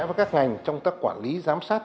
với các ngành trong các quản lý giám sát